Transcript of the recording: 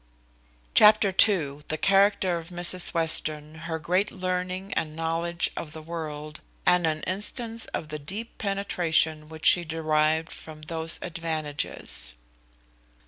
Chapter ii. The character of Mrs Western. Her great learning and knowledge of the world, and an instance of the deep penetration which she derived from those advantages.